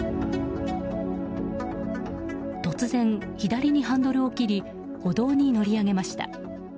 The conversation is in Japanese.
突然、左にハンドルを切り歩道に乗り上げました。